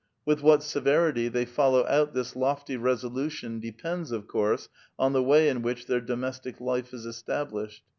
AVitli what severity they follow out this lofty resolution depends, of course, on the way in which their domestic life is established.